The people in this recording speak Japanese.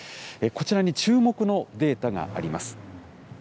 こちらに注目のデータがあります。